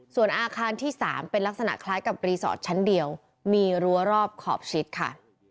ส่วนอาคารที่๓เป็นลักษณะคล้ายกับรีสอร์ทชั้นเดียวมีรั้วรอบขอบชิดค่ะ